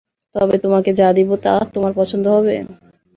তবে তোমাকে যা দিব তা তোমার পছন্দ হবে।